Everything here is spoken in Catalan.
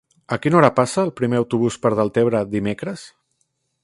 A quina hora passa el primer autobús per Deltebre dimecres?